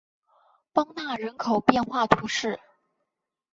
邦讷人口变化图示